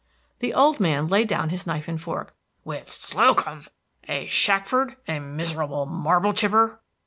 The old man laid down his knife and fork. "With Slocum! A Shackford a miserable marble chipper!"